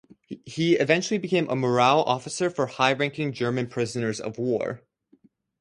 He eventually became a morale officer for high-ranking German prisoners of war.